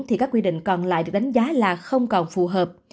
thì các quy định còn lại được đánh giá là không còn phù hợp